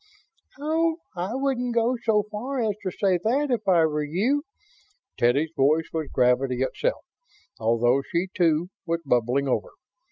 "Oh, I wouldn't go so far as to say that, if I were you." Teddy's voice was gravity itself, although she, too, was bubbling over.